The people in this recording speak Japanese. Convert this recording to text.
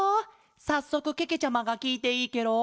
さっそくけけちゃまがきいていいケロ？